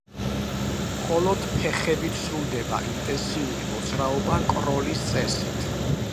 მხოლოდ ფეხებით სრულდება ინტენსიური მოძრაობა კროლის წესით.